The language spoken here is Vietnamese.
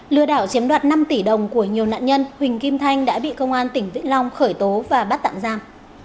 lừa đảo chiếm đoạt năm tỷ đồng của nhiều nạn nhân huỳnh kim thanh đã bị công an tỉnh vĩnh long khởi tố và bắt tạm giam